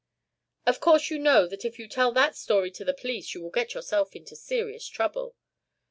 "Of course you know that if you tell that story to the police you will get yourself into serious trouble."